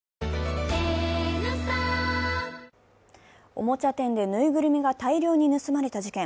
おもちゃ店でぬいぐるみが大量に盗まれた事件。